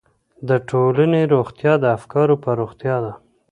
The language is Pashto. د ټولنې روغتیا د افکارو په روغتیا ده.